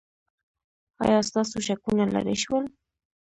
ایا ستاسو شکونه لرې شول؟